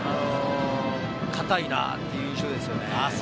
堅いなという印象です。